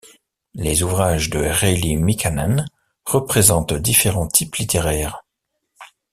Les ouvrages de Raili Mikkanen représentent différents types littéraires.